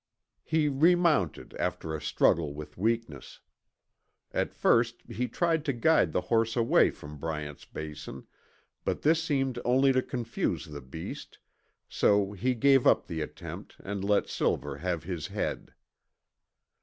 He remounted after a struggle with weakness. At first he tried to guide the horse away from Bryant's Basin, but this seemed only to confuse the beast, so he gave up the attempt and let Silver have his head.